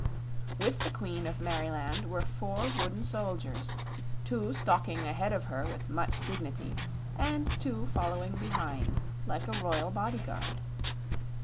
With the Queen of Merryland were four wooden soldiers, two stalking ahead of her with much dignity and two following behind, like a royal bodyguard.